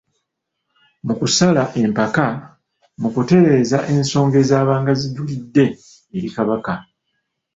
Mu kusala empaka, mu kutereeza ensonga ezaabanga zijulidde eri Kabaka.